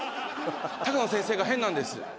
高野先生が変なんです。